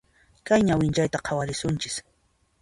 Kay ñawinchayta khawarisunchis.